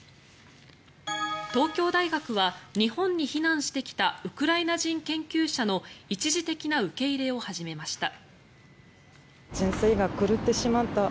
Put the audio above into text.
東京大学は日本に避難してきたウクライナ人研究者の一時的な受け入れを始めました。